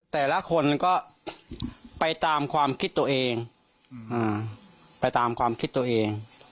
แต่ละคนก็ไปตามความคิดตัวเองไปตามความคิดตัวเอง